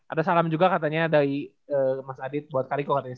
ada salam juga katanya dari mas adit buat kariko katanya